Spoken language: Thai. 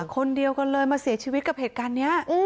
คนเดียวกันเลยมาเสียชีวิตกับเหตุการณ์นี้